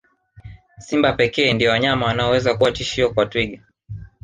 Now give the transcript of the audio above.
Simba pekee ndio wanyama wanaoweza kuwa tishio kwa twiga